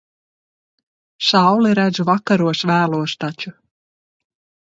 Sauli redzu vakaros vēlos taču.